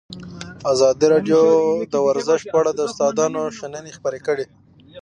ازادي راډیو د ورزش په اړه د استادانو شننې خپرې کړي.